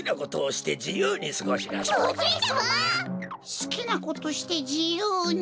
すきなことしてじゆうに。